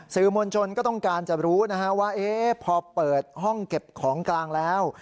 สื่อมวลชนก็ต้องการจะรู้นะฮะว่าพอเปิดห้องเก็บของกลางแล้ว